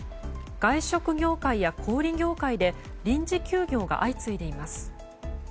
外食業界や小売業界で臨時休業が相次いでいます。